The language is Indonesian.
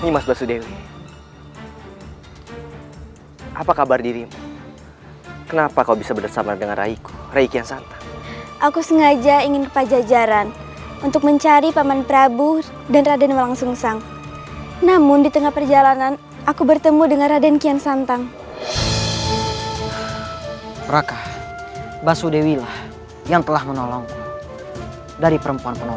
hai hai masudewi hai apa kabar dirimu kenapa kau bisa bersama dengan raiku rakyat aku sengaja ingin ke pajajaran untuk mencari paman prabu dan raden walangsungsang namun di tengah perjalanan aku bertemu dengan raden kian santang raka basudewi lah yang telah menolong dari perempuan perempuan